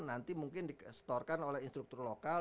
nanti mungkin di storekan oleh instruktur lokal